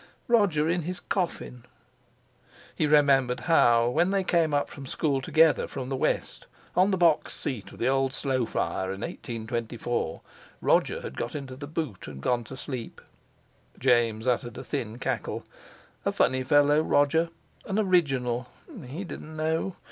Roger in his coffin! He remembered how, when they came up from school together from the West, on the box seat of the old Slowflyer in 1824, Roger had got into the "boot" and gone to sleep. James uttered a thin cackle. A funny fellow—Roger—an original! He didn't know!